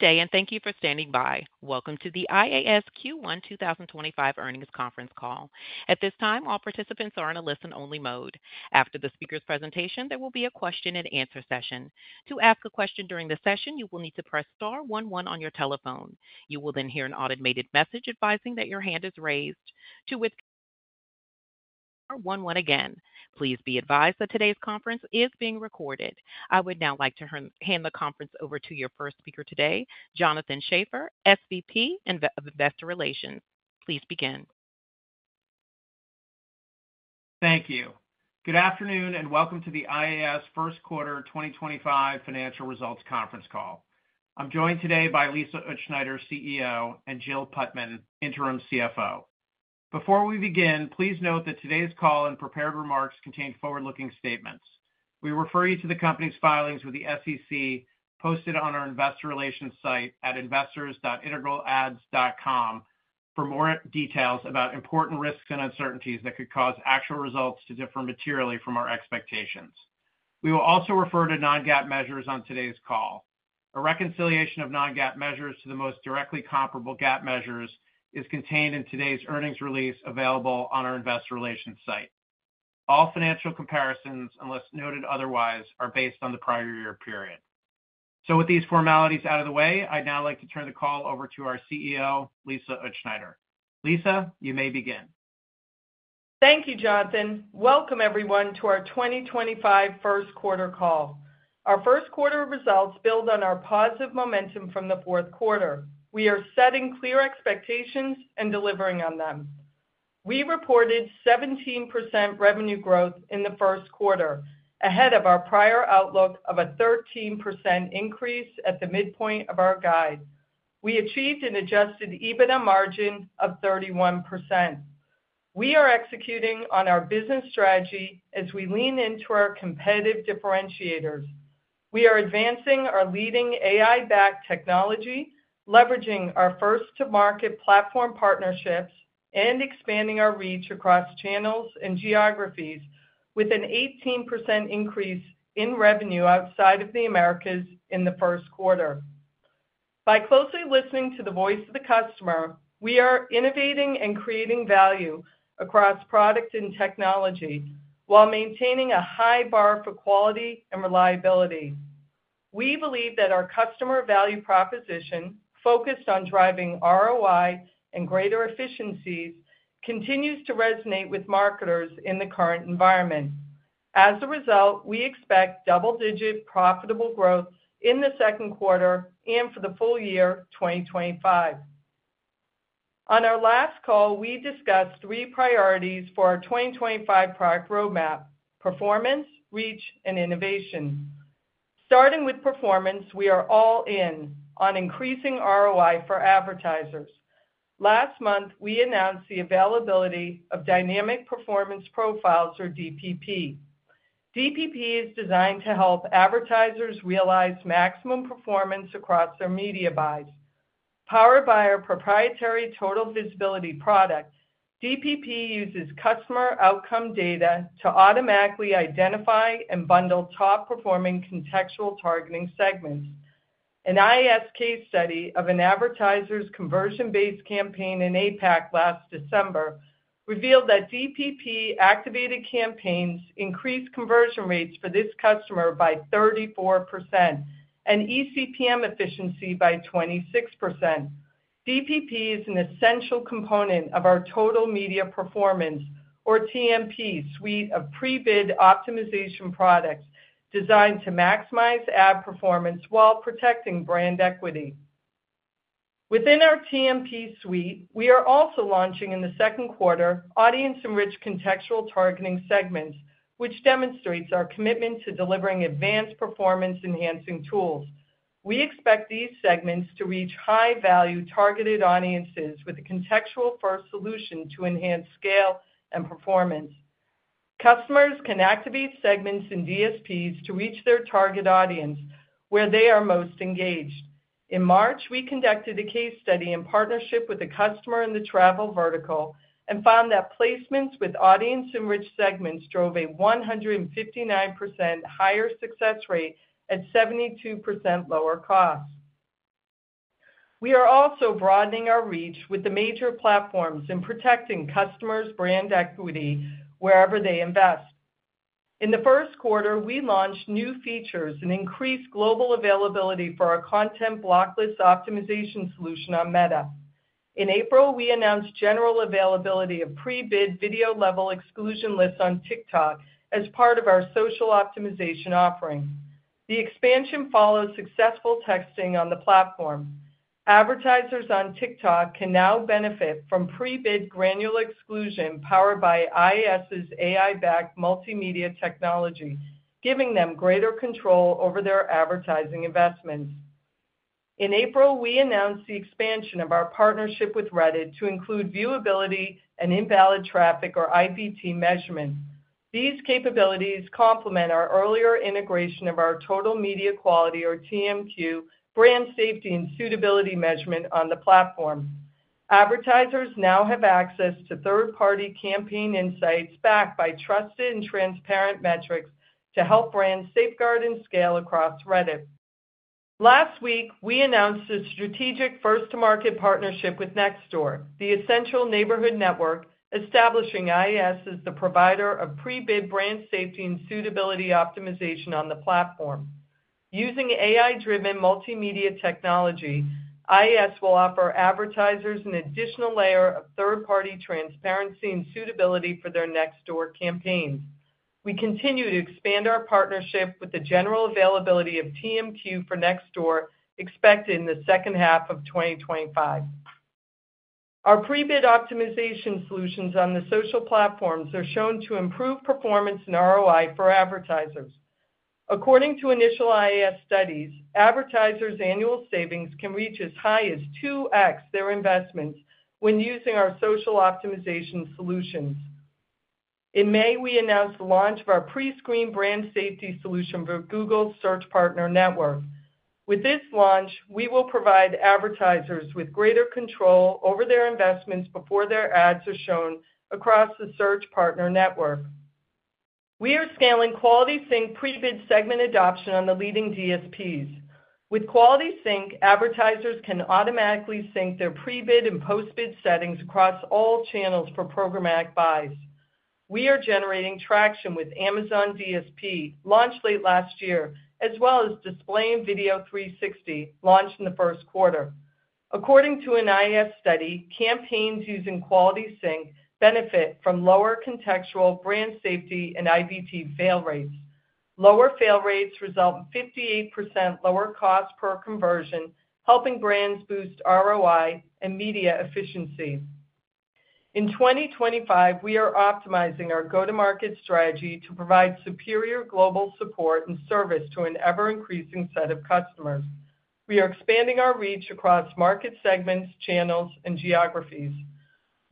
Good day, and thank you for standing by. Welcome to the IAS Q1 2025 Earnings Conference Call. At this time, all participants are in a listen-only mode. After the speaker's presentation, there will be a question-and-answer session. To ask a question during the session, you will need to press star one one on your telephone. You will then hear an automated message advising that your hand is raised. To withdraw, press star one one again. Please be advised that today's conference is being recorded. I would now like to hand the conference over to your first speaker today, Jonathan Schaffer, SVP of Investor Relations. Please begin. Thank you. Good afternoon, and welcome to the IAS First Quarter 2025 Financial Results Conference Call. I'm joined today by Lisa Utzschneider, CEO, and Jill Putman, Interim CFO. Before we begin, please note that today's call and prepared remarks contain forward-looking statements. We refer you to the company's filings with the SEC posted on our Investor Relations site at investors.integralads.com for more details about important risks and uncertainties that could cause actual results to differ materially from our expectations. We will also refer to non-GAAP measures on today's call. A reconciliation of non-GAAP measures to the most directly comparable GAAP measures is contained in today's earnings release available on our Investor Relations site. All financial comparisons, unless noted otherwise, are based on the prior year period. With these formalities out of the way, I'd now like to turn the call over to our CEO, Lisa Utzschneider. Lisa, you may begin. Thank you, Jonathan. Welcome, everyone, to our 2025 First Quarter Call. Our first quarter results build on our positive momentum from the fourth quarter. We are setting clear expectations and delivering on them. We reported 17% revenue growth in the first quarter, ahead of our prior outlook of a 13% increase at the midpoint of our guide. We achieved an adjusted EBITDA margin of 31%. We are executing on our business strategy as we lean into our competitive differentiators. We are advancing our leading AI-backed technology, leveraging our first-to-market platform partnerships, and expanding our reach across channels and geographies with an 18% increase in revenue outside of the Americas in the first quarter. By closely listening to the voice of the customer, we are innovating and creating value across product and technology while maintaining a high bar for quality and reliability. We believe that our customer value proposition, focused on driving ROI and greater efficiencies, continues to resonate with marketers in the current environment. As a result, we expect double-digit profitable growth in the second quarter and for the full year 2025. On our last call, we discussed three priorities for our 2025 product roadmap: performance, reach, and innovation. Starting with performance, we are all in on increasing ROI for advertisers. Last month, we announced the availability of Dynamic Performance Profiles, or DPP. DPP is designed to help advertisers realize maximum performance across their media buys. Powered by our proprietary Total Visibility product, DPP uses customer outcome data to automatically identify and bundle top-performing contextual targeting segments. An IAS case study of an advertiser's conversion-based campaign in APAC last December revealed that DPP-activated campaigns increased conversion rates for this customer by 34% and ECPM efficiency by 26%. DPP is an essential component of our Total Media Performance, or TMP, suite of pre-bid optimization products designed to maximize ad performance while protecting brand equity. Within our TMP suite, we are also launching in the second quarter audience-enriched contextual targeting segments, which demonstrates our commitment to delivering advanced performance-enhancing tools. We expect these segments to reach high-value targeted audiences with a contextual-first solution to enhance scale and performance. Customers can activate segments in DSPs to reach their target audience where they are most engaged. In March, we conducted a case study in partnership with a customer in the travel vertical and found that placements with audience-enriched segments drove a 159% higher success rate at 72% lower cost. We are also broadening our reach with the major platforms and protecting customers' brand equity wherever they invest. In the first quarter, we launched new features and increased global availability for our content blocklist optimization solution on Meta. In April, we announced general availability of pre-bid video level exclusion lists on TikTok as part of our social optimization offering. The expansion follows successful testing on the platform. Advertisers on TikTok can now benefit from pre-bid granular exclusion powered by IAS's AI-backed multimedia technology, giving them greater control over their advertising investments. In April, we announced the expansion of our partnership with Reddit to include viewability and invalid traffic, or IVT, measurements. These capabilities complement our earlier integration of our Total Media Quality, or TMQ, brand safety and suitability measurement on the platform. Advertisers now have access to third-party campaign insights backed by trusted and transparent metrics to help brands safeguard and scale across Reddit. Last week, we announced a strategic first-to-market partnership with Nextdoor, the Essential Neighborhood Network, establishing IAS as the provider of pre-bid brand safety and suitability optimization on the platform. Using AI-driven multimedia technology, IAS will offer advertisers an additional layer of third-party transparency and suitability for their Nextdoor campaigns. We continue to expand our partnership with the general availability of TMQ for Nextdoor, expected in the second half of 2025. Our pre-bid optimization solutions on the social platforms are shown to improve performance and ROI for advertisers. According to initial IAS studies, advertisers' annual savings can reach as high as 2x their investments when using our social optimization solutions. In May, we announced the launch of our pre-screen brand safety solution for Google's Search Partner Network. With this launch, we will provide advertisers with greater control over their investments before their ads are shown across the Search Partner Network. We are scaling Quality Sync pre-bid segment adoption on the leading DSPs. With Quality Sync, advertisers can automatically sync their pre-bid and post-bid settings across all channels for programmatic buys. We are generating traction with Amazon DSP, launched late last year, as well as Display & Video 360, launched in the first quarter. According to an IAS study, campaigns using Quality Sync benefit from lower contextual brand safety and IVT fail rates. Lower fail rates result in 58% lower cost per conversion, helping brands boost ROI and media efficiency. In 2025, we are optimizing our go-to-market strategy to provide superior global support and service to an ever-increasing set of customers. We are expanding our reach across market segments, channels, and geographies.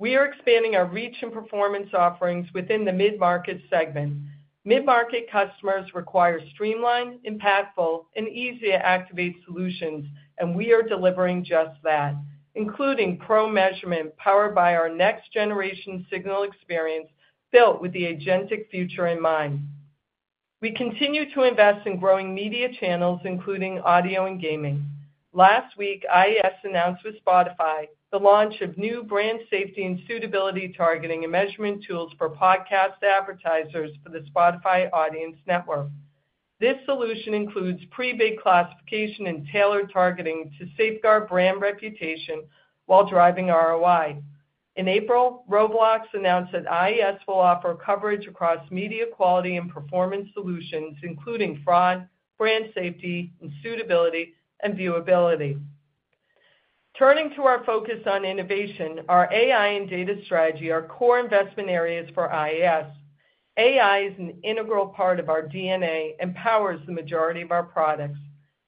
We are expanding our reach and performance offerings within the mid-market segment. Mid-market customers require streamlined, impactful, and easy-to-activate solutions, and we are delivering just that, including pro measurement powered by our next-generation signal experience built with the agentic future in mind. We continue to invest in growing media channels, including audio and gaming. Last week, IAS announced with Spotify the launch of new brand safety and suitability targeting and measurement tools for podcast advertisers for the Spotify Audience Network. This solution includes pre-bid classification and tailored targeting to safeguard brand reputation while driving ROI. In April, Roblox announced that IAS will offer coverage across media quality and performance solutions, including fraud, brand safety, suitability, and viewability. Turning to our focus on innovation, our AI and data strategy are core investment areas for IAS. AI is an integral part of our DNA and powers the majority of our products.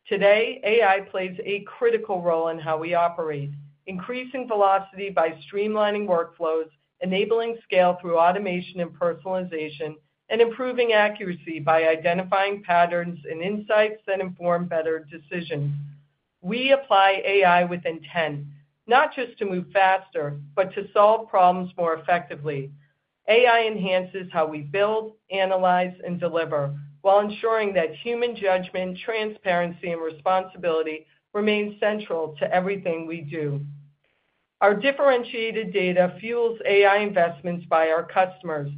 Today, AI plays a critical role in how we operate, increasing velocity by streamlining workflows, enabling scale through automation and personalization, and improving accuracy by identifying patterns and insights that inform better decisions. We apply AI with intent, not just to move faster, but to solve problems more effectively. AI enhances how we build, analyze, and deliver while ensuring that human judgment, transparency, and responsibility remain central to everything we do. Our differentiated data fuels AI investments by our customers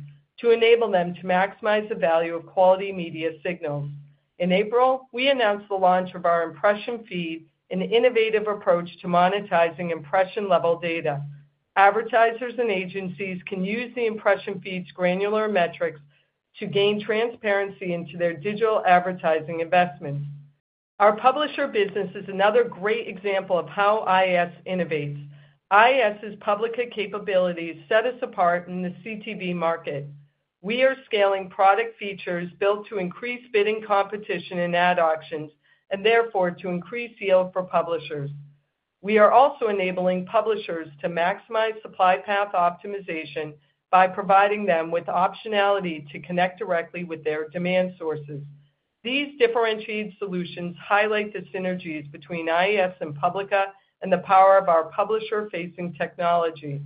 to enable them to maximize the value of quality media signals. In April, we announced the launch of our Impression Feed, an innovative approach to monetizing impression-level data. Advertisers and agencies can use the Impression Feed's granular metrics to gain transparency into their digital advertising investments. Our publisher business is another great example of how IAS innovates. IAS's Publica capabilities set us apart in the CTV market. We are scaling product features built to increase bidding competition in ad auctions and therefore to increase yield for publishers. We are also enabling publishers to maximize supply path optimization by providing them with optionality to connect directly with their demand sources. These differentiated solutions highlight the synergies between IAS and Publica and the power of our publisher-facing technology.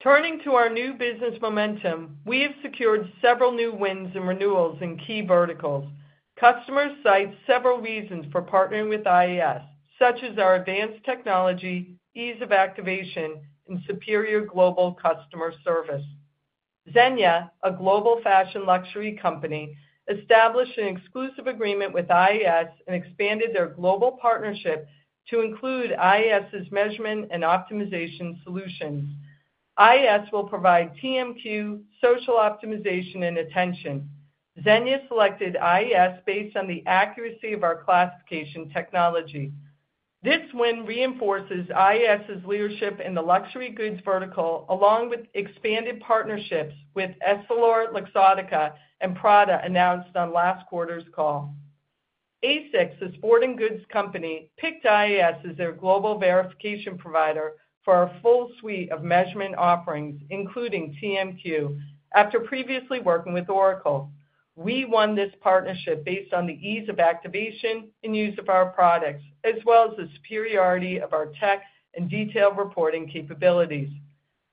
Turning to our new business momentum, we have secured several new wins and renewals in key verticals. Customers cite several reasons for partnering with IAS, such as our advanced technology, ease of activation, and superior global customer service. Zegna, a global luxury fashion company, established an exclusive agreement with IAS and expanded their global partnership to include IAS's measurement and optimization solutions. IAS will provide Total Media Quality, social optimization, and attention. Zegna selected IAS based on the accuracy of our classification technology. This win reinforces IAS's leadership in the luxury goods vertical, along with expanded partnerships with EssilorLuxottica and Prada, announced on last quarter's call. ASICS, a sporting goods company, picked IAS as their global verification provider for our full suite of measurement offerings, including TMQ, after previously working with Oracle. We won this partnership based on the ease of activation and use of our products, as well as the superiority of our tech and detailed reporting capabilities.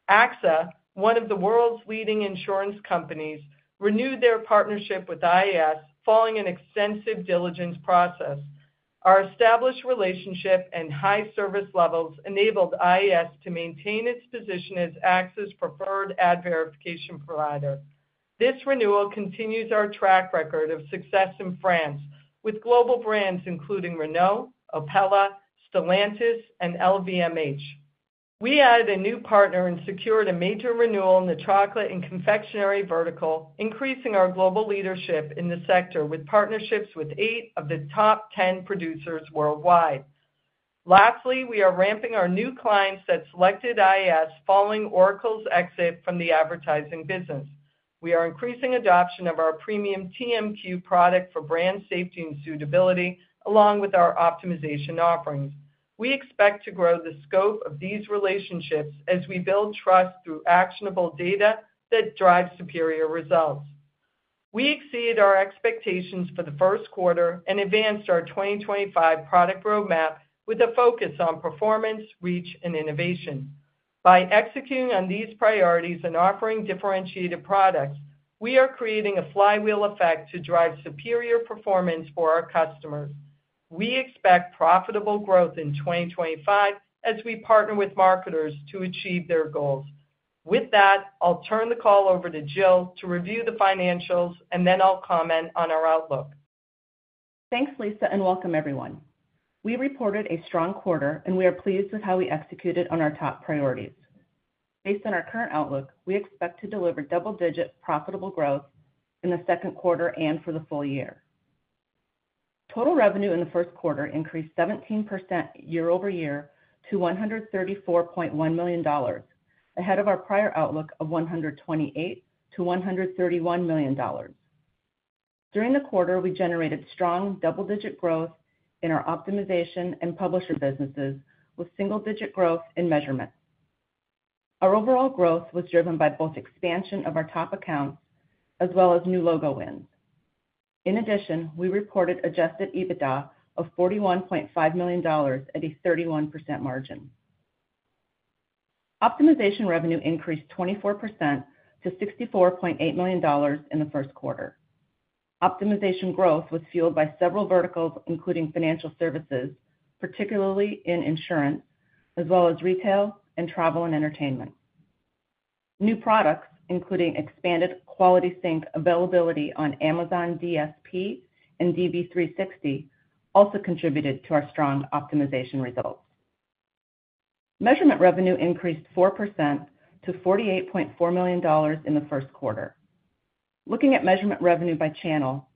AXA, one of the world's leading insurance companies, renewed their partnership with IAS, following an extensive diligence process. Our established relationship and high service levels enabled IAS to maintain its position as AXA's preferred ad verification provider. This renewal continues our track record of success in France, with global brands including Renault, Opella, Stellantis, and LVMH. We added a new partner and secured a major renewal in the chocolate and confectionery vertical, increasing our global leadership in the sector with partnerships with eight of the top 10 producers worldwide. Lastly, we are ramping our new clients that selected IAS following Oracle's exit from the advertising business. We are increasing adoption of our premium TMQ product for brand safety and suitability, along with our optimization offerings. We expect to grow the scope of these relationships as we build trust through actionable data that drives superior results. We exceeded our expectations for the first quarter and advanced our 2025 product roadmap with a focus on performance, reach, and innovation. By executing on these priorities and offering differentiated products, we are creating a flywheel effect to drive superior performance for our customers. We expect profitable growth in 2025 as we partner with marketers to achieve their goals. With that, I'll turn the call over to Jill to review the financials, and then I'll comment on our outlook. Thanks, Lisa, and welcome, everyone. We reported a strong quarter, and we are pleased with how we executed on our top priorities. Based on our current outlook, we expect to deliver double-digit profitable growth in the second quarter and for the full year. Total revenue in the first quarter increased 17% year-over-year to $134.1 million, ahead of our prior outlook of $128 million-$131 million. During the quarter, we generated strong double-digit growth in our optimization and publisher businesses with single-digit growth in measurement. Our overall growth was driven by both expansion of our top accounts as well as new logo wins. In addition, we reported adjusted EBITDA of $41.5 million at a 31% margin. Optimization revenue increased 24% to $64.8 million in the first quarter. Optimization growth was fueled by several verticals, including financial services, particularly in insurance, as well as retail and travel and entertainment. New products, including expanded Quality Sync availability on Amazon DSP and Display & Video 360, also contributed to our strong optimization results. Measurement revenue increased 4% to $48.4 million in the first quarter. Looking at measurement revenue by channel,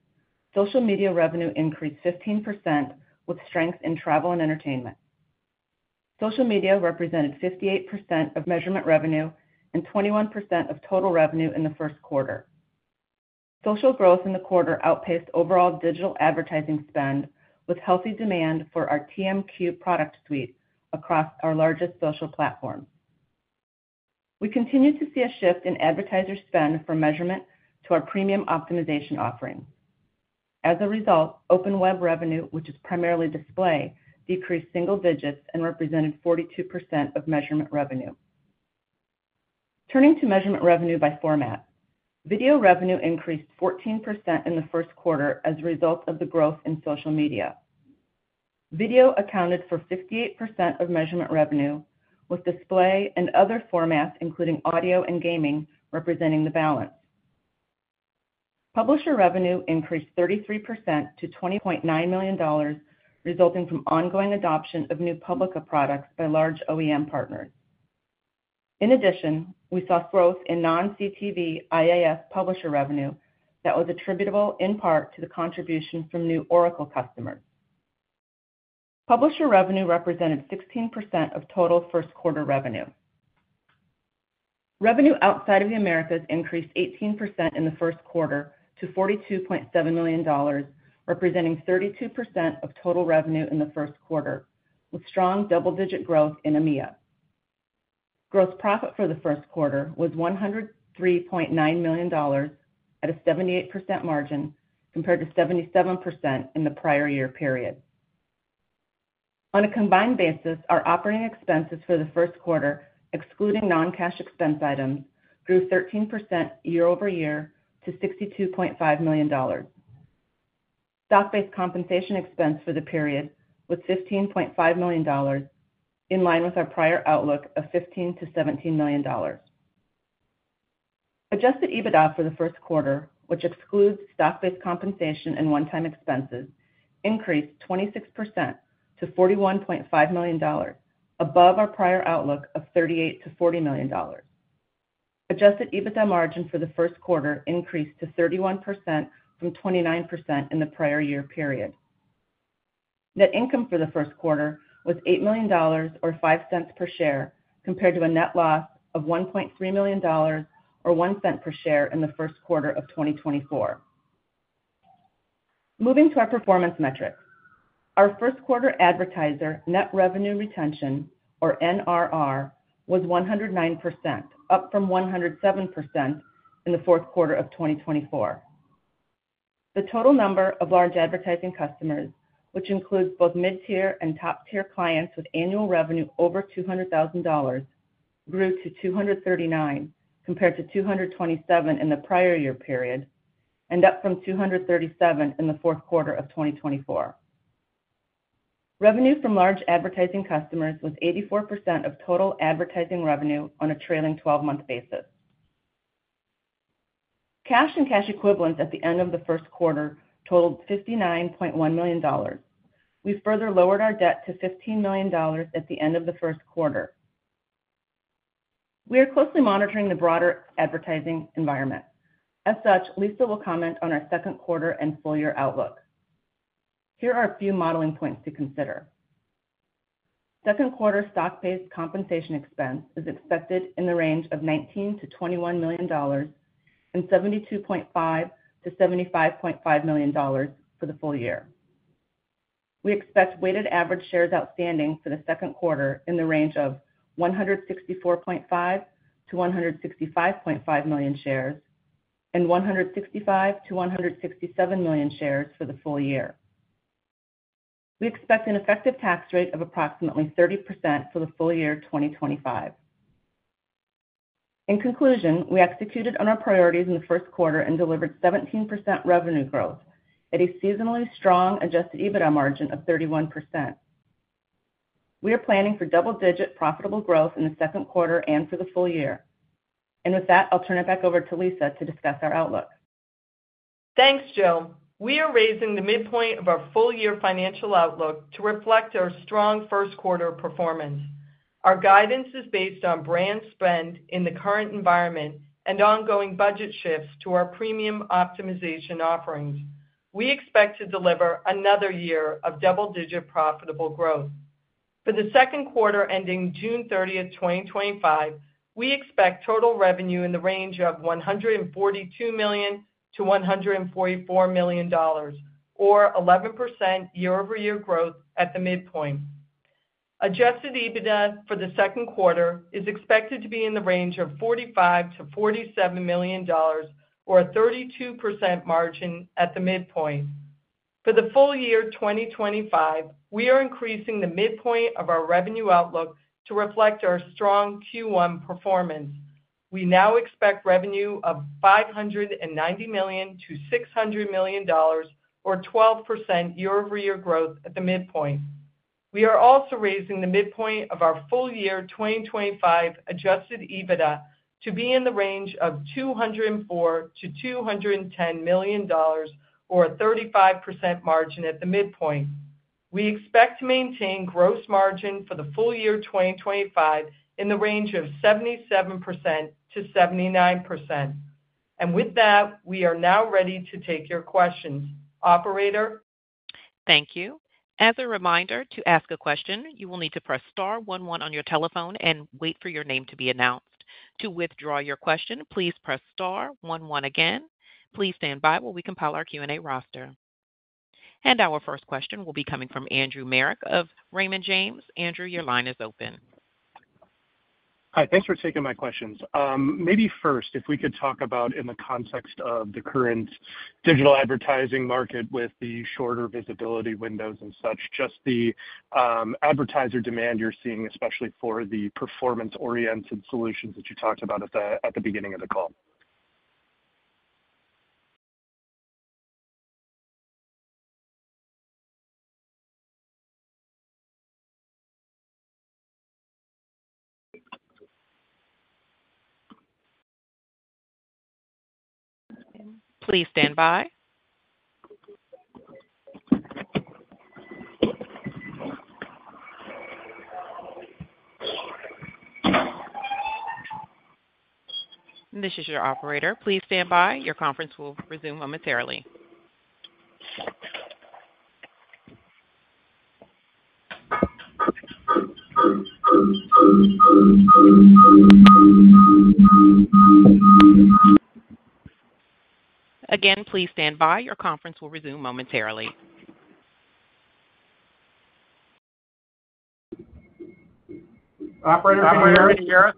social media revenue increased 15% with strength in travel and entertainment. Social media represented 58% of measurement revenue and 21% of total revenue in the first quarter. Social growth in the quarter outpaced overall digital advertising spend, with healthy demand for our TMQ product suite across our largest social platform. We continue to see a shift in advertiser spend for measurement to our premium optimization offering. As a result, open web revenue, which is primarily display, decreased single digits and represented 42% of measurement revenue. Turning to measurement revenue by format, video revenue increased 14% in the first quarter as a result of the growth in social media. Video accounted for 58% of measurement revenue, with display and other formats, including audio and gaming, representing the balance. Publisher revenue increased 33% to $20.9 million, resulting from ongoing adoption of new Publica products by large OEM partners. In addition, we saw growth in non-CTV IAS publisher revenue that was attributable in part to the contribution from new Oracle customers. Publisher revenue represented 16% of total first-quarter revenue. Revenue outside of the Americas increased 18% in the first quarter to $42.7 million, representing 32% of total revenue in the first quarter, with strong double-digit growth in EMEA. Gross profit for the first quarter was $103.9 million at a 78% margin compared to 77% in the prior year period. On a combined basis, our operating expenses for the first quarter, excluding non-cash expense items, grew 13% year-over-year to $62.5 million. Stock-based compensation expense for the period was $15.5 million, in line with our prior outlook of $15 million-$17 million. Adjusted EBITDA for the first quarter, which excludes stock-based compensation and one-time expenses, increased 26% to $41.5 million, above our prior outlook of $38 million -$40 million. Adjusted EBITDA margin for the first quarter increased to 31% from 29% in the prior year period. Net income for the first quarter was $8 million, or $0.05 per share, compared to a net loss of $1.3 million, or $0.01 per share in the first quarter of 2024. Moving to our performance metrics, our first-quarter advertiser net revenue retention, or NRR, was 109%, up from 107% in the fourth quarter of 2024. The total number of large advertising customers, which includes both mid-tier and top-tier clients with annual revenue over $200,000, grew to 239 compared to 227 in the prior year period and up from 237 in the fourth quarter of 2024. Revenue from large advertising customers was 84% of total advertising revenue on a trailing 12-month basis. Cash and cash equivalents at the end of the first quarter totaled $59.1 million. We further lowered our debt to $15 million at the end of the first quarter. We are closely monitoring the broader advertising environment. As such, Lisa will comment on our second quarter and full-year outlook. Here are a few modeling points to consider. Second-quarter stock-based compensation expense is expected in the range of $19 million-$21 million and $72.5 million-$75.5 million for the full year. We expect weighted average shares outstanding for the second quarter in the range of 164.5 million-165.5 million shares and 165 million-167 million shares for the full year. We expect an effective tax rate of approximately 30% for the full year 2025. In conclusion, we executed on our priorities in the first quarter and delivered 17% revenue growth at a seasonally strong adjusted EBITDA margin of 31%. We are planning for double-digit profitable growth in the second quarter and for the full year. With that, I'll turn it back over to Lisa to discuss our outlook. Thanks, Jill. We are raising the midpoint of our full-year financial outlook to reflect our strong first-quarter performance. Our guidance is based on brand spend in the current environment and ongoing budget shifts to our premium optimization offerings. We expect to deliver another year of double-digit profitable growth. For the second quarter ending June 30, 2025, we expect total revenue in the range of $142 million-$144 million, or 11% year-over-year growth at the midpoint. Adjusted EBITDA for the second quarter is expected to be in the range of $45 million-$47 million, or a 32% margin at the midpoint. For the full year 2025, we are increasing the midpoint of our revenue outlook to reflect our strong Q1 performance. We now expect revenue of $590 million-$600 million, or 12% year-over-year growth at the midpoint. We are also raising the midpoint of our full year 2025 adjusted EBITDA to be in the range of $204 miilion-$210 million, or a 35% margin at the midpoint. We expect to maintain gross margin for the full year 2025 in the range of 77%-79%. We are now ready to take your questions. Operator. Thank you. As a reminder, to ask a question, you will need to press star one one on your telephone and wait for your name to be announced. To withdraw your question, please press star one one again. Please stand by while we compile our Q&A roster. Our first question will be coming from Andrew Merrick of Raymond James. Andrew, your line is open. Hi. Thanks for taking my questions. Maybe first, if we could talk about, in the context of the current digital advertising market with the shorter visibility windows and such, just the advertiser demand you're seeing, especially for the performance-oriented solutions that you talked about at the beginning of the call. Please stand by. This is your operator. Please stand by. Your conference will resume momentarily. Again, please stand by. Your conference will resume momentarily. Operator, can you hear us?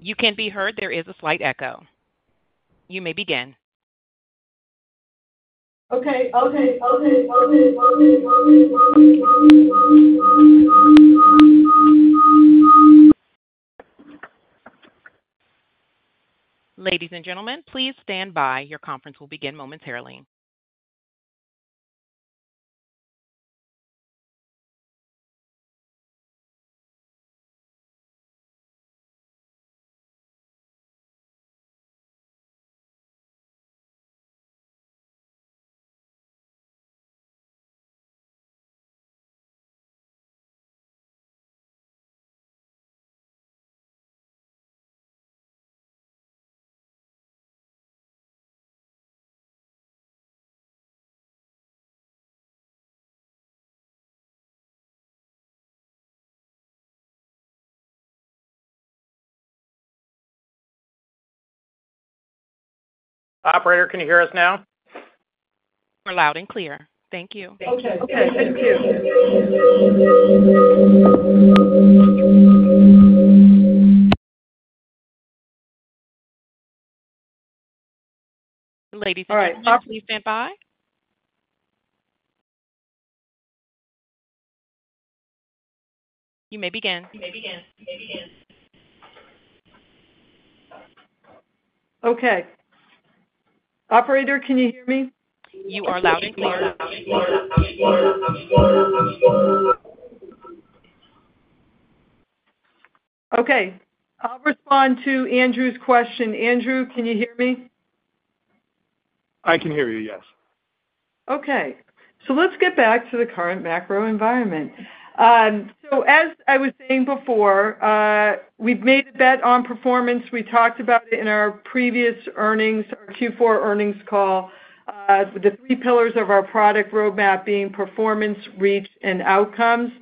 You can be heard. There is a slight echo. You may begin. Okay. Ladies and gentlemen, please stand by. Your conference will begin momentarily. Operator, can you hear us now? We're loud and clear. Thank you. Thank you. Ladies and gentlemen, please stand by. You may begin. Operator, can you hear me? You are loud and clear. I'll respond to Andrew's question. Andrew, can you hear me? I can hear you, yes. Okay. Let's get back to the current macro environment. As I was saying before, we've made a bet on performance. We talked about it in our previous earnings, our Q4 earnings call, with the three pillars of our product roadmap being performance, reach, and outcomes.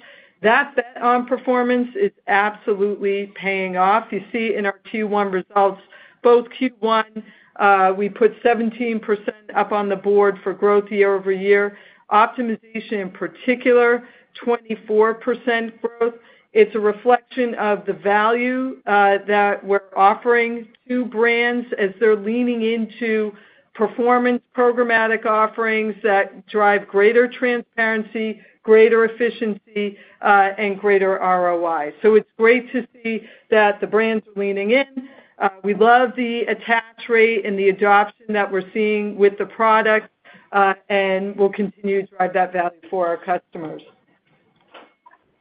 That bet on performance is absolutely paying off. You see in our Q1 results, both Q1, we put 17% up on the board for growth year-over-year. Optimization, in particular, 24% growth. It's a reflection of the value that we're offering to brands as they're leaning into performance programmatic offerings that drive greater transparency, greater efficiency, and greater ROI. It's great to see that the brands are leaning in. We love the attach rate and the adoption that we're seeing with the product, and we'll continue to drive that value for our customers.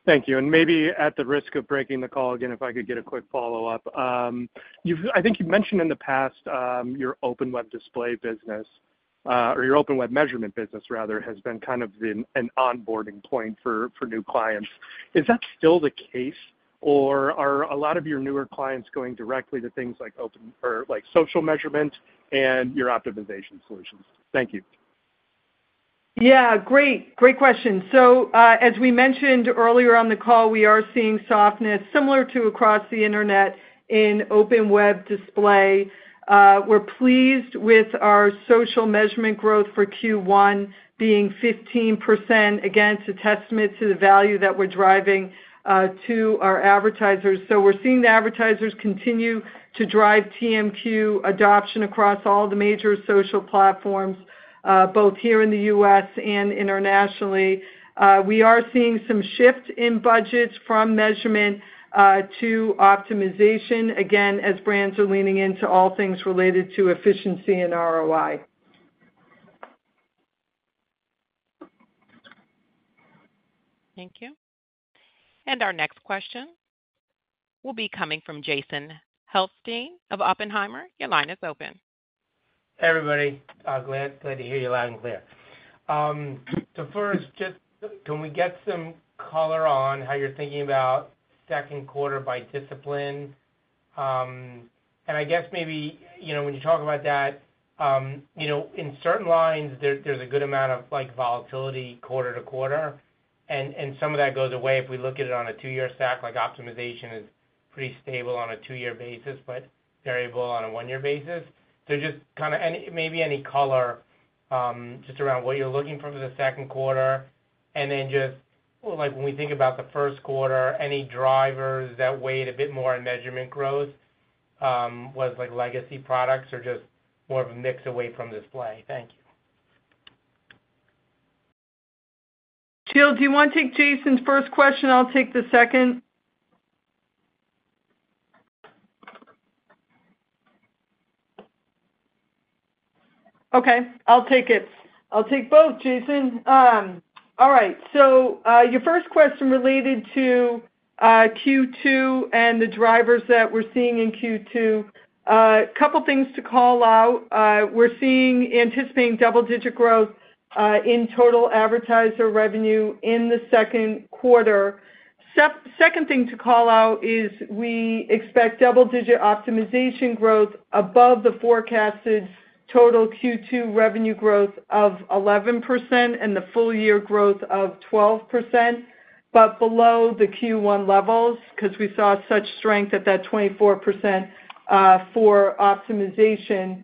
Thank you. Maybe at the risk of breaking the call again, if I could get a quick follow-up. I think you've mentioned in the past your open web display business, or your open web measurement business, rather, has been kind of an onboarding point for new clients. Is that still the case, or are a lot of your newer clients going directly to things like social measurement and your optimization solutions? Thank you. Yeah. Great. Great question. As we mentioned earlier on the call, we are seeing softness similar to across the internet in open web display. We are pleased with our social measurement growth for Q1 being 15%, again, it is a testament to the value that we are driving to our advertisers. We are seeing the advertisers continue to drive TMQ adoption across all the major social platforms, both here in the US and internationally. We are seeing some shift in budgets from measurement to optimization, again, as brands are leaning into all things related to efficiency and ROI. Thank you. Our next question will be coming from Jason Helfstein of Oppenheimer. Your line is open. Hey, everybody. Glad to hear you loud and clear. First, just can we get some color on how you are thinking about second quarter by discipline? I guess maybe when you talk about that, in certain lines, there's a good amount of volatility quarter to quarter, and some of that goes away if we look at it on a two-year stack. Optimization is pretty stable on a two-year basis, but variable on a one-year basis. Just kind of maybe any color just around what you're looking for for the second quarter. When we think about the first quarter, any drivers that weighed a bit more in measurement growth was legacy products or just more of a mix away from display. Thank you. Jill, do you want to take Jason's first question? I'll take the second. Okay.I'll take it. I'll take both, Jason. All right. Your first question related to Q2 and the drivers that we're seeing in Q2. A couple of things to call out. We're anticipating double-digit growth in total advertiser revenue in the second quarter. Second thing to call out is we expect double-digit optimization growth above the forecasted total Q2 revenue growth of 11% and the full-year growth of 12%, but below the Q1 levels because we saw such strength at that 24% for optimization.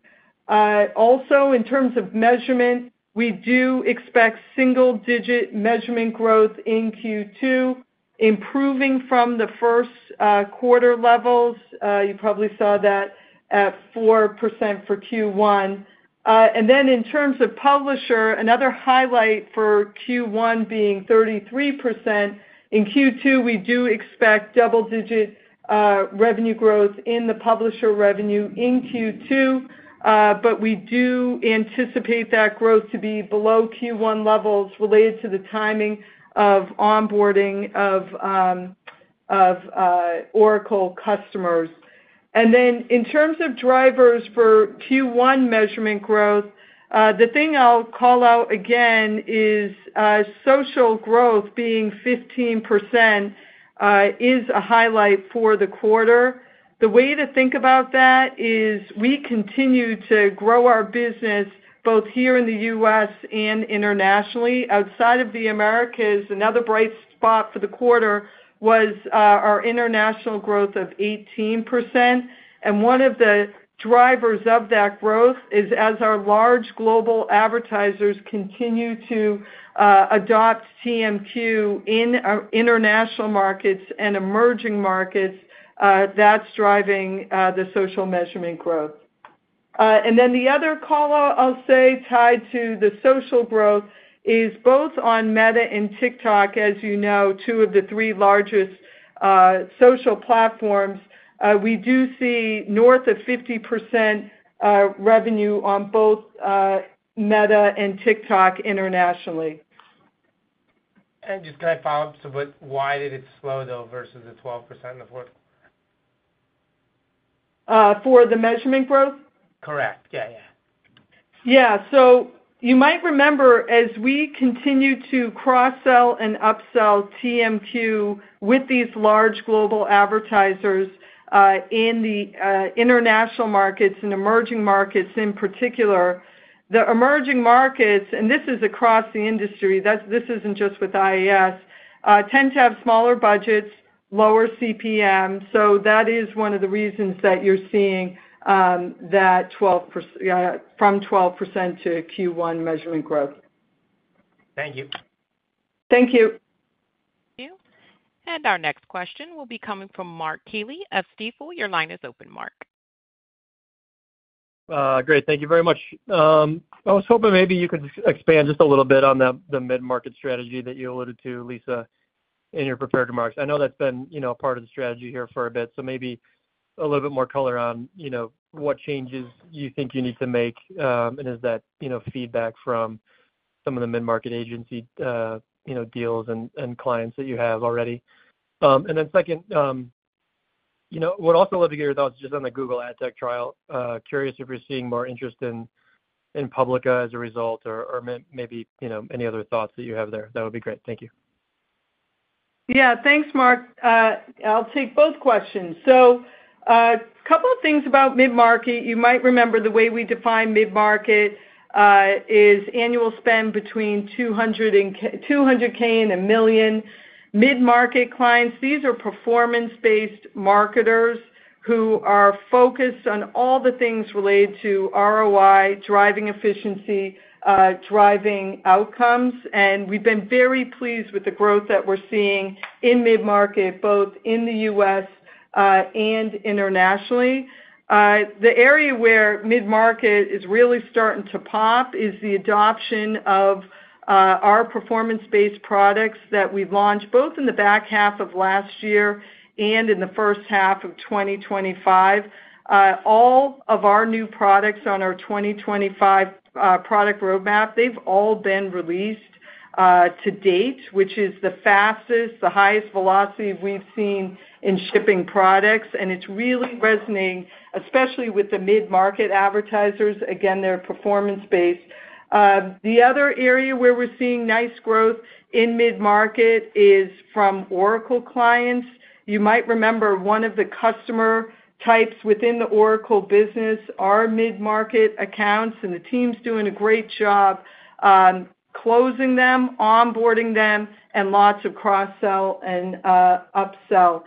Also, in terms of measurement, we do expect single-digit measurement growth in Q2, improving from the first quarter levels. You probably saw that at 4% for Q1. In terms of publisher, another highlight for Q1 being 33%. In Q2, we do expect double-digit revenue growth in the publisher revenue in Q2, but we do anticipate that growth to be below Q1 levels related to the timing of onboarding of Oracle customers. In terms of drivers for Q1 measurement growth, the thing I'll call out again is social growth being 15% is a highlight for the quarter. The way to think about that is we continue to grow our business both here in the U.S. and internationally. Outside of the Americas, another bright spot for the quarter was our international growth of 18%. One of the drivers of that growth is as our large global advertisers continue to adopt TMQ in international markets and emerging markets, that is driving the social measurement growth. The other call I'll say tied to the social growth is both on Meta and TikTok, as you know, two of the three largest social platforms. We do see north of 50% revenue on both Meta and TikTok internationally. Just can I follow up? Why did it slow, though, versus the 12% in the fourth? For the measurement growth? Correct. Yeah, yeah. You might remember as we continue to cross-sell and upsell TMQ with these large global advertisers in the international markets and emerging markets in particular, the emerging markets—and this is across the industry, this is not just with IAS—tend to have smaller budgets, lower CPM. That is one of the reasons that you are seeing that 12% from 12% to Q1 measurement growth. Thank you. Thank you. Our next question will be coming from Mark Keeley of Stifel. Your line is open, Mark. Great. Thank you very much. I was hoping maybe you could expand just a little bit on the mid-market strategy that you alluded to, Lisa, in your prepared remarks. I know that's been part of the strategy here for a bit, so maybe a little bit more color on what changes you think you need to make and is that feedback from some of the mid-market agency deals and clients that you have already. Second, we'd also love to get your thoughts just on the Google Ad Tech trial. Curious if you're seeing more interest in Publica as a result or maybe any other thoughts that you have there. That would be great. Thank you. Yeah. Thanks, Mark. I'll take both questions. A couple of things about mid-market. You might remember the way we define mid-market is annual spend between $200,000 and $1 million. Mid-market clients, these are performance-based marketers who are focused on all the things related to ROI, driving efficiency, driving outcomes. We have been very pleased with the growth that we are seeing in mid-market, both in the U.S. and internationally. The area where mid-market is really starting to pop is the adoption of our performance-based products that we have launched both in the back half of last year and in the first half of 2025. All of our new products on our 2025 product roadmap, they have all been released to date, which is the fastest, the highest velocity we have seen in shipping products. It is really resonating, especially with the mid-market advertisers. Again, they are performance-based. The other area where we are seeing nice growth in mid-market is from Oracle clients. You might remember one of the customer types within the Oracle business are mid-market accounts, and the team is doing a great job closing them, onboarding them, and lots of cross-sell and upsell.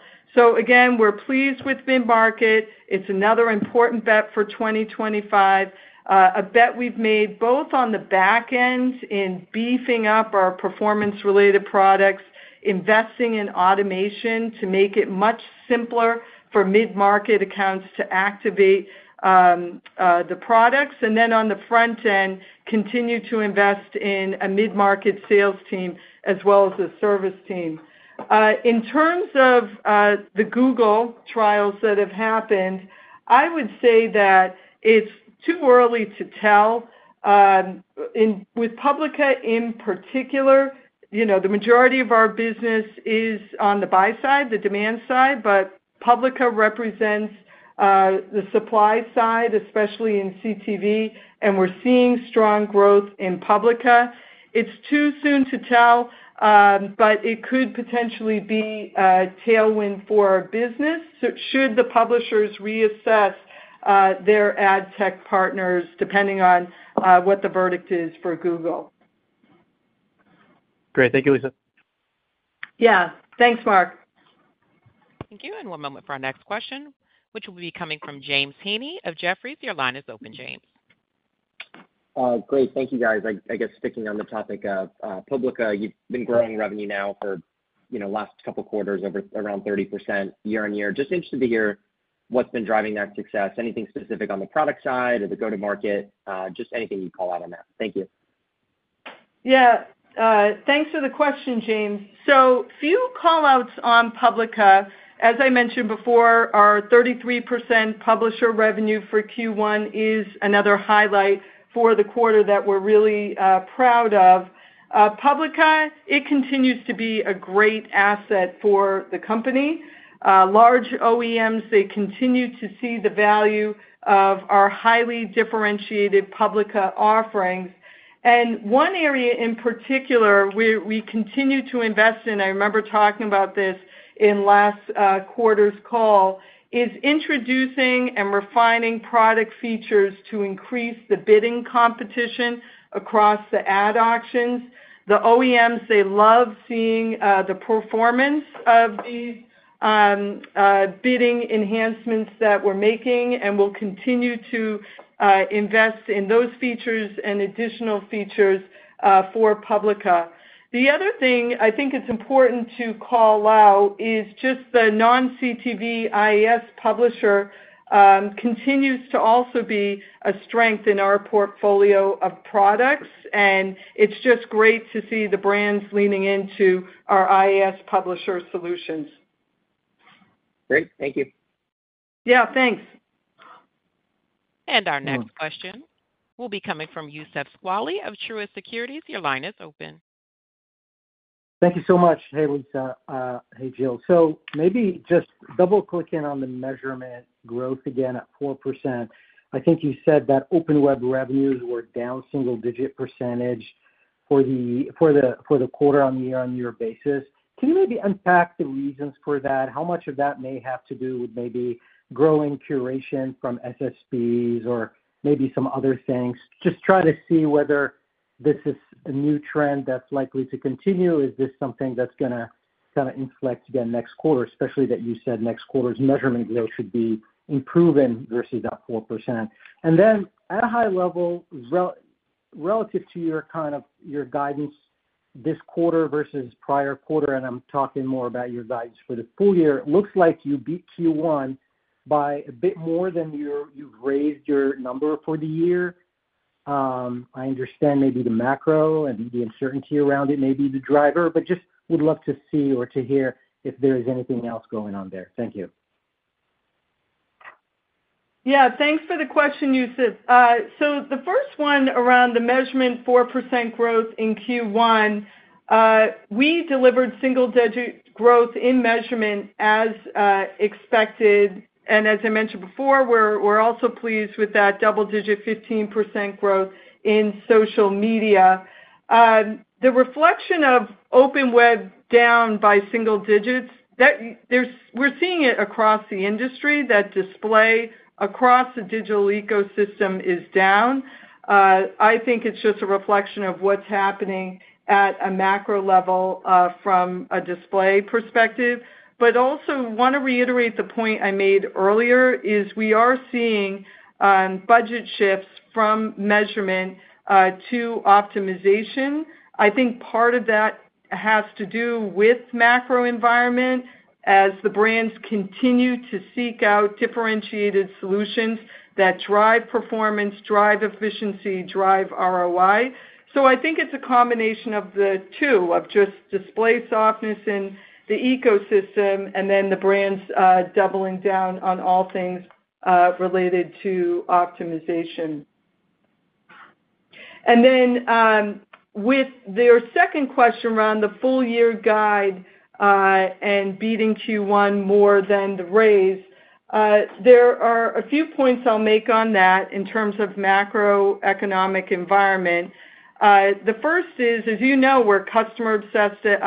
Again, we are pleased with mid-market. It's another important bet for 2025. A bet we've made both on the back end in beefing up our performance-related products, investing in automation to make it much simpler for mid-market accounts to activate the products, and then on the front end, continue to invest in a mid-market sales team as well as a service team. In terms of the Google trials that have happened, I would say that it's too early to tell. With Publica in particular, the majority of our business is on the buy side, the demand side, but Publica represents the supply side, especially in CTV, and we're seeing strong growth in Publica. It's too soon to tell, but it could potentially be a tailwind for our business should the publishers reassess their Ad Tech partners, depending on what the verdict is for Google. Great. Thank you, Lisa. Yeah. Thanks, Mark. Thank you. One moment for our next question, which will be coming from James Heaney of Jefferies. Your line is open, James. Great. Thank you, guys. I guess sticking on the topic of Publica, you've been growing revenue now for the last couple of quarters, around 30% year-on-year. Just interested to hear what's been driving that success. Anything specific on the product side or the go-to-market? Just anything you call out on that. Thank you. Yeah. Thanks for the question, James. So few callouts on Publica. As I mentioned before, our 33% publisher revenue for Q1 is another highlight for the quarter that we're really proud of. Publica, it continues to be a great asset for the company. Large OEMs, they continue to see the value of our highly differentiated Publica offerings. One area in particular where we continue to invest in—I remember talking about this in last quarter's call—is introducing and refining product features to increase the bidding competition across the ad auctions. The OEMs, they love seeing the performance of these bidding enhancements that we're making and will continue to invest in those features and additional features for Publica. The other thing I think it's important to call out is just the non-CTV IAS publisher continues to also be a strength in our portfolio of products, and it's just great to see the brands leaning into our IAS publisher solutions. Great. Thank you. Yeah. Thanks. Our next question will be coming from Youssef Squali of Truist Securities. Your line is open. Thank you so much. Hey, Lisa. Hey, Jill. Maybe just double-clicking on the measurement growth again at 4%. I think you said that open web revenues were down single-digit percentage for the quarter-on-year on year basis. Can you maybe unpack the reasons for that? How much of that may have to do with maybe growing curation from SSBs or maybe some other things? Just try to see whether this is a new trend that's likely to continue. Is this something that's going to kind of inflict again next quarter, especially that you said next quarter's measurement growth should be improving versus that 4%? At a high level, relative to your guidance this quarter versus prior quarter, and I'm talking more about your guidance for the full year, it looks like you beat Q1 by a bit more than you've raised your number for the year. I understand maybe the macro and the uncertainty around it may be the driver, but just would love to see or to hear if there is anything else going on there. Thank you. Yeah. Thanks for the question, Yousef. So the first one around the measurement 4% growth in Q1, we delivered single-digit growth in measurement as expected. And as I mentioned before, we're also pleased with that double-digit 15% growth in social media. The reflection of open web down by single digits, we're seeing it across the industry. That display across the digital ecosystem is down. I think it's just a reflection of what's happening at a macro level from a display perspective. I also want to reiterate the point I made earlier is we are seeing budget shifts from measurement to optimization. I think part of that has to do with macro environment as the brands continue to seek out differentiated solutions that drive performance, drive efficiency, drive ROI. I think it's a combination of the two, of just display softness in the ecosystem and then the brands doubling down on all things related to optimization. With your second question around the full-year guide and beating Q1 more than the raise, there are a few points I'll make on that in terms of macroeconomic environment. The first is, as you know, we're customer-obsessed at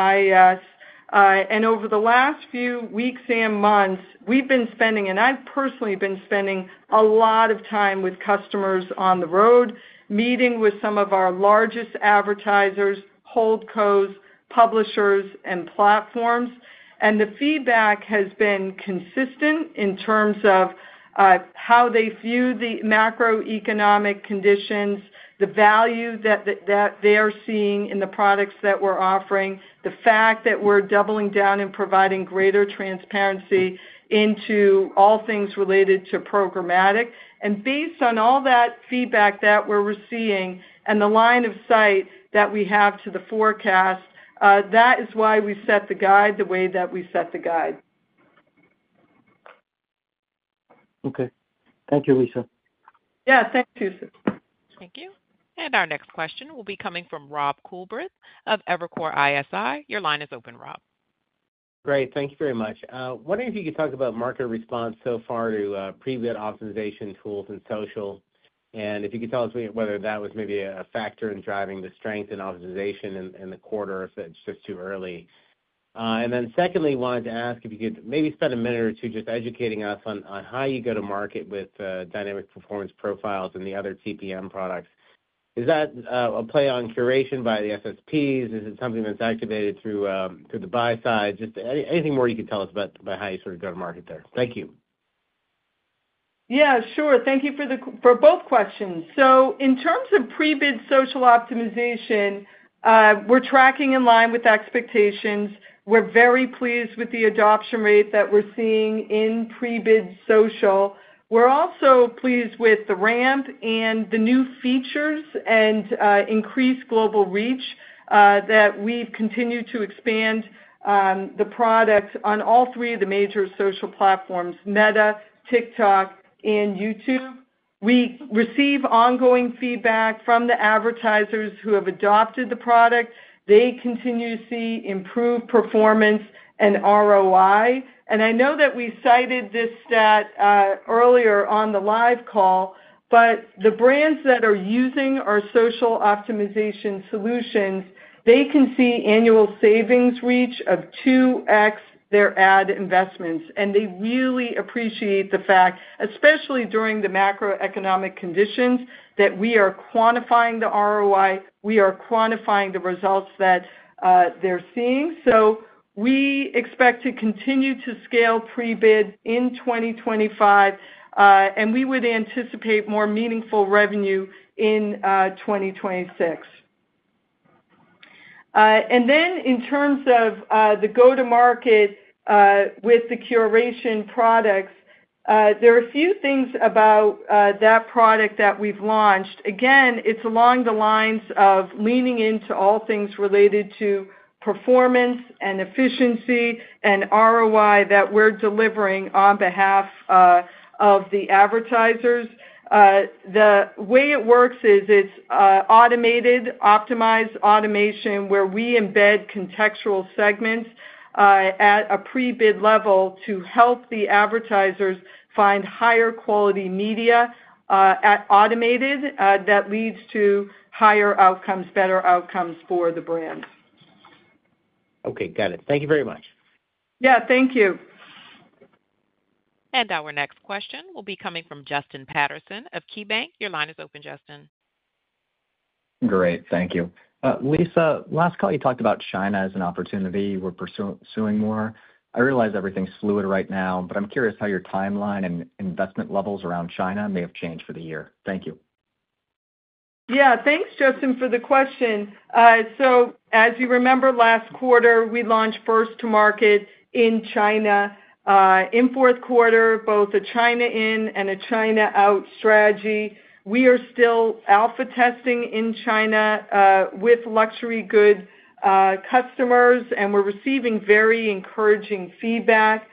IAS. Over the last few weeks and months, we've been spending, and I've personally been spending a lot of time with customers on the road, meeting with some of our largest advertisers, hold codes, publishers, and platforms. The feedback has been consistent in terms of how they view the macroeconomic conditions, the value that they are seeing in the products that we're offering, the fact that we're doubling down and providing greater transparency into all things related to programmatic. Based on all that feedback that we're receiving and the line of sight that we have to the forecast, that is why we set the guide the way that we set the guide. Thank you, Lisa. Yeah. Thanks, Yousef. Thank you. Our next question will be coming from Rob Coolbrith of Evercore ISI. Your line is open, Rob. Great. Thank you very much. Wondering if you could talk about market response so far to pre-bid optimization tools and social, and if you could tell us whether that was maybe a factor in driving the strength in optimization in the quarter if it's just too early. Secondly, wanted to ask if you could maybe spend a minute or two just educating us on how you go to market with dynamic performance profiles and the other TPM products. Is that a play on curation by the SSPs? Is it something that's activated through the buy side? Just anything more you could tell us about how you sort of go to market there. Thank you. Yeah. Sure. Thank you for both questions. In terms of pre-bid social optimization, we're tracking in line with expectations. We're very pleased with the adoption rate that we're seeing in pre-bid social. We're also pleased with the ramp and the new features and increased global reach that we've continued to expand the product on all three of the major social platforms: Meta, TikTok, and YouTube. We receive ongoing feedback from the advertisers who have adopted the product. They continue to see improved performance and ROI. I know that we cited this stat earlier on the live call, but the brands that are using our social optimization solutions, they can see annual savings reach of 2x their ad investments. They really appreciate the fact, especially during the macroeconomic conditions, that we are quantifying the ROI, we are quantifying the results that they're seeing. We expect to continue to scale pre-bid in 2025, and we would anticipate more meaningful revenue in 2026. In terms of the go-to-market with the curation products, there are a few things about that product that we've launched. Again, it's along the lines of leaning into all things related to performance and efficiency and ROI that we're delivering on behalf of the advertisers. The way it works is it's automated, optimized automation where we embed contextual segments at a pre-bid level to help the advertisers find higher quality media automated that leads to higher outcomes, better outcomes for the brands. Okay. Got it. Thank you very much. Yeah. Thank you. Our next question will be coming from Justin Patterson of KeyBank. Your line is open, Justin. Great. Thank you. Lisa, last call you talked about China as an opportunity we're pursuing more. I realize everything's fluid right now, but I'm curious how your timeline and investment levels around China may have changed for the year. Thank you. Yeah. Thanks, Justin, for the question. As you remember, last quarter, we launched first-to-market in China. In fourth quarter, both a China-in and a China-out strategy. We are still alpha testing in China with luxury goods customers, and we're receiving very encouraging feedback.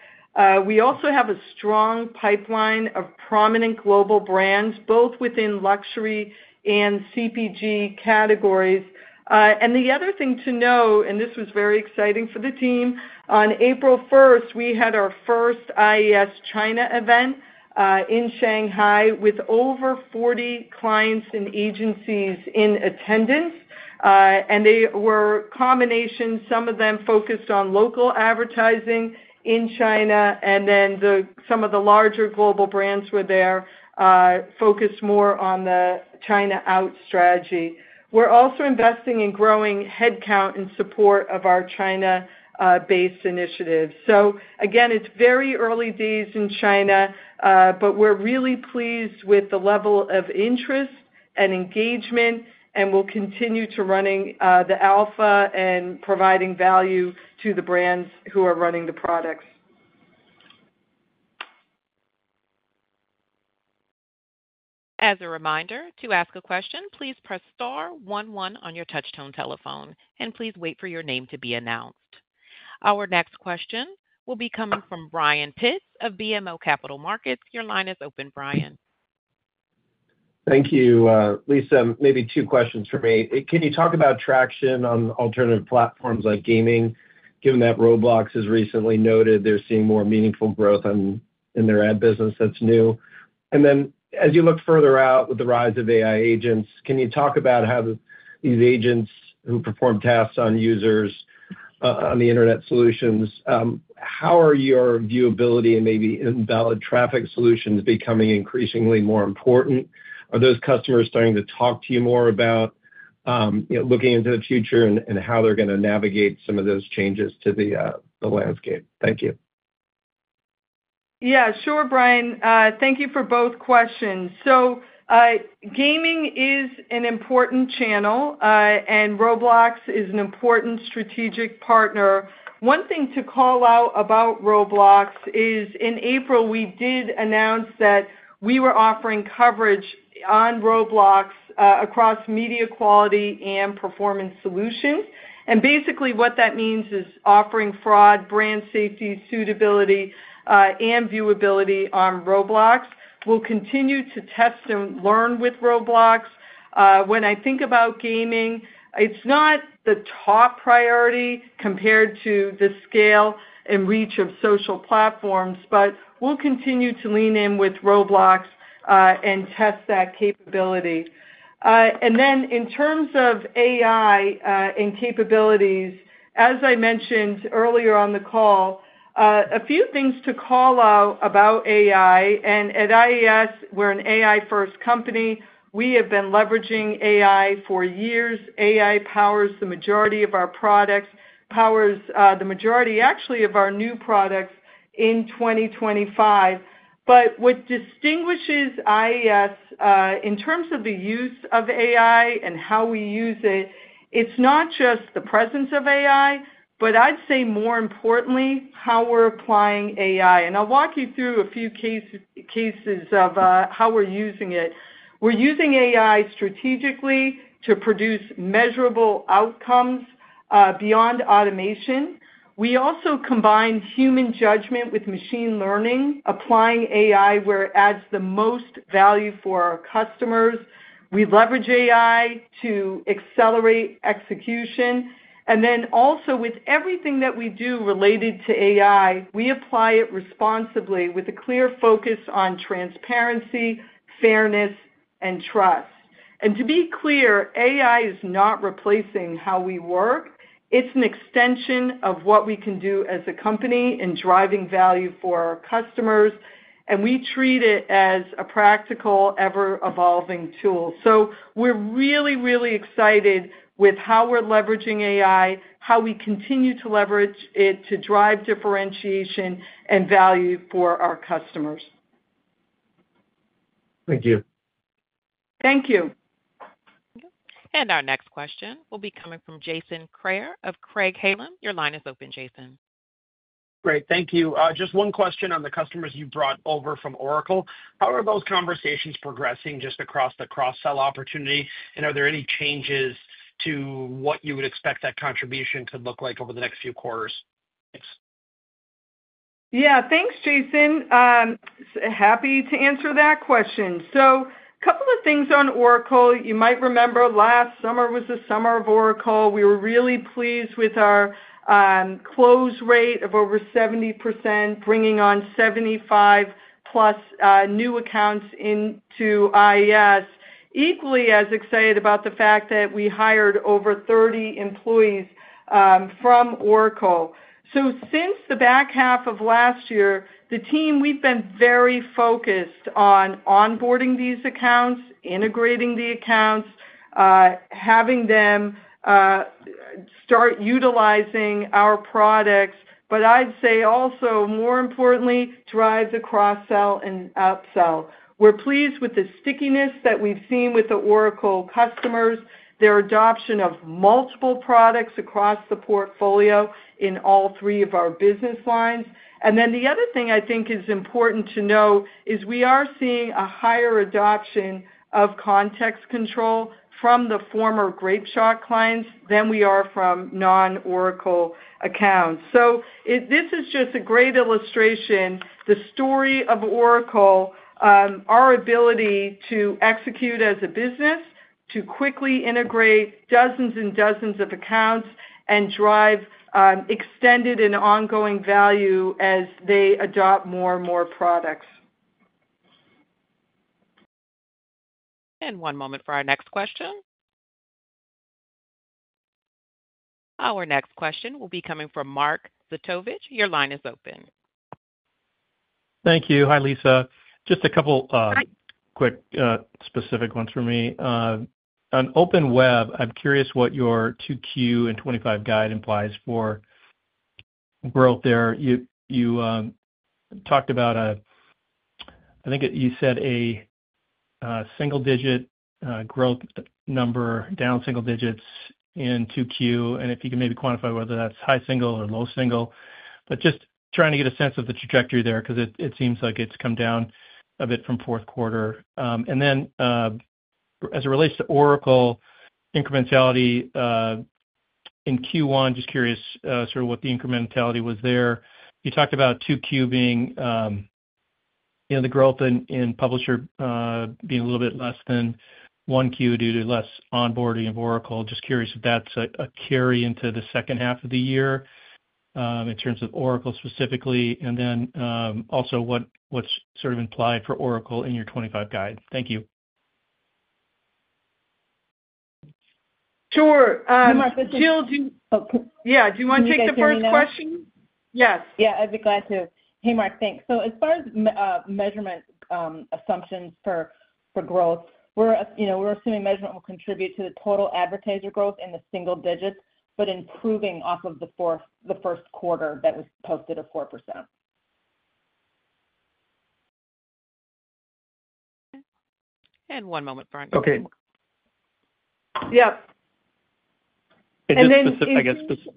We also have a strong pipeline of prominent global brands, both within luxury and CPG categories. The other thing to know, and this was very exciting for the team, on April 1, we had our first IAS China event in Shanghai with over 40 clients and agencies in attendance. They were combinations; some of them focused on local advertising in China, and some of the larger global brands were there focused more on the China-out strategy. We're also investing in growing headcount in support of our China-based initiatives. Again, it's very early days in China, but we're really pleased with the level of interest and engagement, and we'll continue to run the alpha and provide value to the brands who are running the products. As a reminder, to ask a question, please press star one one on your touchtone telephone, and please wait for your name to be announced. Our next question will be coming from Brian Pitts of BMO Capital Markets. Your line is open, Brian. Thank you, Lisa. Maybe two questions for me. Can you talk about traction on alternative platforms like gaming, given that Roblox has recently noted they're seeing more meaningful growth in their ad business? That's new. As you look further out with the rise of AI agents, can you talk about how these agents who perform tasks on users on the internet solutions, how are your viewability and maybe invalid traffic solutions becoming increasingly more important? Are those customers starting to talk to you more about looking into the future and how they're going to navigate some of those changes to the landscape? Thank you. Yeah. Sure, Brian. Thank you for both questions. Gaming is an important channel, and Roblox is an important strategic partner. One thing to call out about Roblox is in April, we did announce that we were offering coverage on Roblox across media quality and performance solutions. Basically, what that means is offering fraud, brand safety, suitability, and viewability on Roblox. We'll continue to test and learn with Roblox. When I think about gaming, it's not the top priority compared to the scale and reach of social platforms, but we'll continue to lean in with Roblox and test that capability. In terms of AI and capabilities, as I mentioned earlier on the call, a few things to call out about AI. At IAS, we're an AI-first company. We have been leveraging AI for years. AI powers the majority of our products, powers the majority actually of our new products in 2025. What distinguishes IAS in terms of the use of AI and how we use it, it's not just the presence of AI, but I'd say more importantly, how we're applying AI. I'll walk you through a few cases of how we're using it. We're using AI strategically to produce measurable outcomes beyond automation. We also combine human judgment with machine learning, applying AI where it adds the most value for our customers. We leverage AI to accelerate execution. With everything that we do related to AI, we apply it responsibly with a clear focus on transparency, fairness, and trust. To be clear, AI is not replacing how we work. It's an extension of what we can do as a company in driving value for our customers. We treat it as a practical, ever-evolving tool. We're really, really excited with how we're leveraging AI, how we continue to leverage it to drive differentiation and value for our customers. Thank you. Thank you. Our next question will be coming from Jason Crayer of Craig-Hallum. Your line is open, Jason. Great. Thank you. Just one question on the customers you brought over from Oracle. How are those conversations progressing just across the cross-sell opportunity? And are there any changes to what you would expect that contribution could look like over the next few quarters? Thanks. Yeah. Thanks, Jason. Happy to answer that question. So a couple of things on Oracle. You might remember last summer was the summer of Oracle. We were really pleased with our close rate of over 70%, bringing on 75+ new accounts into IAS. Equally as excited about the fact that we hired over 30 employees from Oracle. Since the back half of last year, the team, we've been very focused on onboarding these accounts, integrating the accounts, having them start utilizing our products. I'd say also, more importantly, drive the cross-sell and upsell. We're pleased with the stickiness that we've seen with the Oracle customers, their adoption of multiple products across the portfolio in all three of our business lines. The other thing I think is important to know is we are seeing a higher adoption of context control from the former Grapeshot clients than we are from non-Oracle accounts. This is just a great illustration, the story of Oracle, our ability to execute as a business, to quickly integrate dozens and dozens of accounts and drive extended and ongoing value as they adopt more and more products. One moment for our next question. Our next question will be coming from Mark Zutovich. Your line is open. Thank you. Hi, Lisa. Just a couple quick specific ones for me. On Open Web, I'm curious what your 2Q and 2025 guide implies for growth there. You talked about, I think you said, a single-digit growth number, down single digits in 2Q, and if you can maybe quantify whether that's high single or low single. Just trying to get a sense of the trajectory there because it seems like it's come down a bit from fourth quarter. As it relates to Oracle incrementality in Q1, just curious sort of what the incrementality was there. You talked about 2Q being the growth in publisher being a little bit less than 1Q due to less onboarding of Oracle. Just curious if that's a carry into the second half of the year in terms of Oracle specifically. Also, what's sort of implied for Oracle in your 2025 guide. Thank you. Sure. Mark Pitts? Yeah. Do you want to take the first question? Yes. Yeah. I'd be glad to. Hey, Mark. Thanks. As far as measurement assumptions for growth, we're assuming measurement will contribute to the total advertiser growth in the single digits, but improving off of the first quarter that was posted of 4%. One moment for our next question. Okay. Yeah.And then specifically.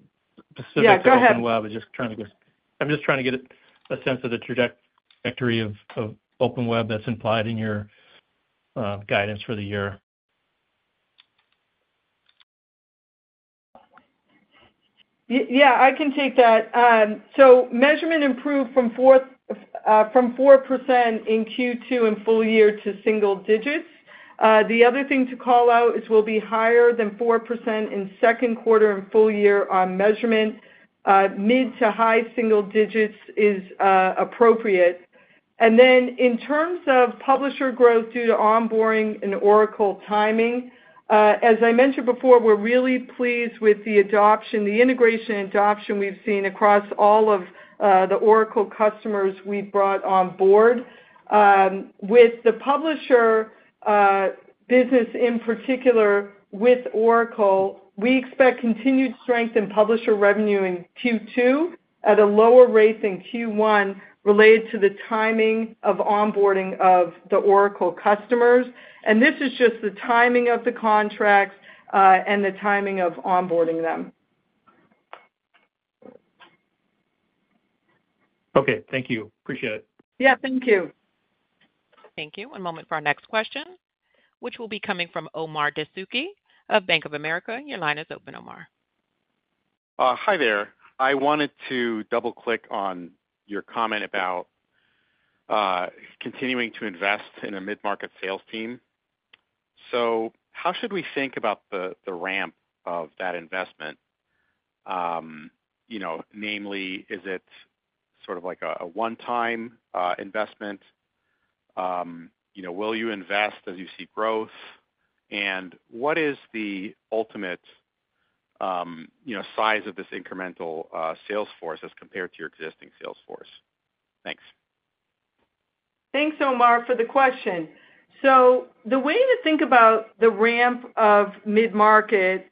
Yeah.Go ahead. I was just trying to—I'm just trying to get a sense of the trajectory of Open Web that's implied in your guidance for the year. Yeah. I can take that. Measurement improved from 4% in Q2 in full year to single digits. The other thing to call out is we'll be higher than 4% in second quarter in full year on measurement. Mid to high single digits is appropriate. In terms of publisher growth due to onboarding and Oracle timing, as I mentioned before, we're really pleased with the integration adoption we've seen across all of the Oracle customers we've brought on board. With the publisher business in particular with Oracle, we expect continued strength in publisher revenue in Q2 at a lower rate than Q1 related to the timing of onboarding of the Oracle customers. This is just the timing of the contracts and the timing of onboarding them. Thank you. Appreciate it. Thank you. Thank you. One moment for our next question, which will be coming from Omar i of Bank of America. Your line is open, Omar. Hi there. I wanted to double-click on your comment about continuing to invest in a mid-market sales team. How should we think about the ramp of that investment? Namely, is it sort of like a one-time investment? Will you invest as you see growth? And what is the ultimate size of this incremental sales force as compared to your existing sales force? Thanks. Thanks, Omar, for the question. The way to think about the ramp of mid-market,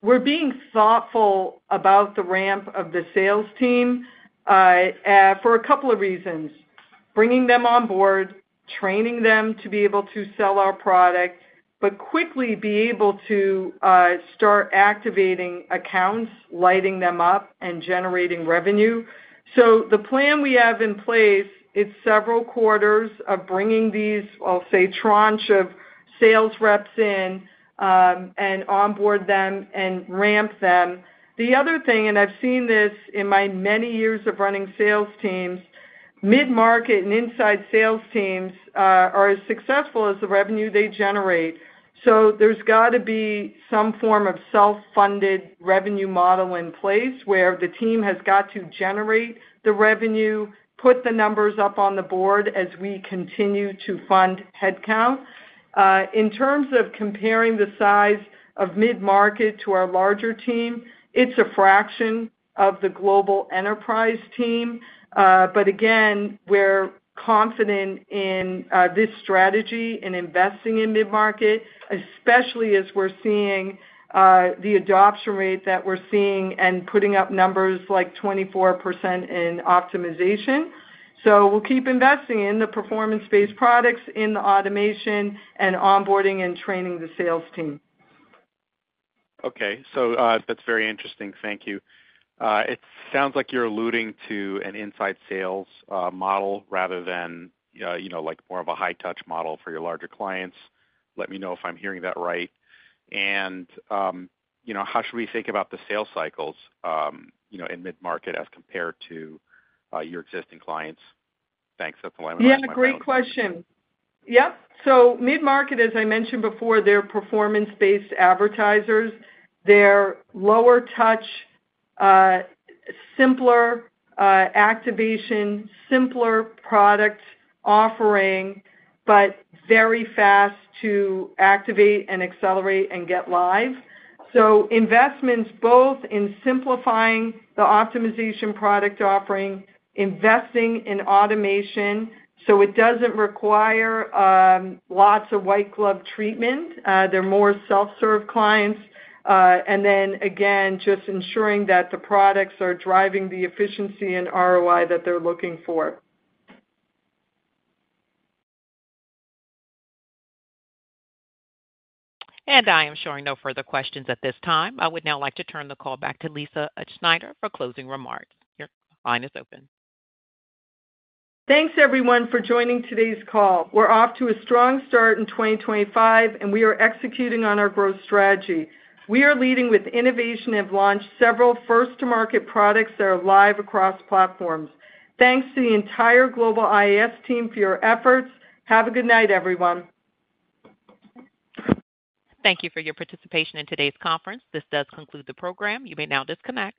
we're being thoughtful about the ramp of the sales team for a couple of reasons: bringing them on board, training them to be able to sell our product, but quickly be able to start activating accounts, lighting them up, and generating revenue. The plan we have in place is several quarters of bringing these, I'll say, tranche of sales reps in and onboard them and ramp them. The other thing, and I've seen this in my many years of running sales teams, mid-market and inside sales teams are as successful as the revenue they generate. There's got to be some form of self-funded revenue model in place where the team has got to generate the revenue, put the numbers up on the board as we continue to fund headcount. In terms of comparing the size of mid-market to our larger team, it's a fraction of the global enterprise team. Again, we're confident in this strategy and investing in mid-market, especially as we're seeing the adoption rate that we're seeing and putting up numbers like 24% in optimization. We'll keep investing in the performance-based products, in the automation, and onboarding and training the sales team. Okay. That's very interesting. Thank you. It sounds like you're alluding to an inside sales model rather than more of a high-touch model for your larger clients. Let me know if I'm hearing that right. How should we think about the sales cycles in mid-market as compared to your existing clients? Thanks. That's a line of my questions. Yeah. Great question. Yep. Mid-market, as I mentioned before, they're performance-based advertisers. They're lower touch, simpler activation, simpler product offering, but very fast to activate and accelerate and get live. Investments both in simplifying the optimization product offering, investing in automation so it doesn't require lots of white-glove treatment. They're more self-serve clients. Again, just ensuring that the products are driving the efficiency and ROI that they're looking for. I am showing no further questions at this time. I would now like to turn the call back to Lisa Utzschneider for closing remarks. Your line is open. Thanks, everyone, for joining today's call. We're off to a strong start in 2025, and we are executing on our growth strategy. We are leading with innovation and have launched several first-to-market products that are live across platforms. Thanks to the entire global IAS team for your efforts. Have a good night, everyone. Thank you for your participation in today's conference. This does conclude the program. You may now disconnect.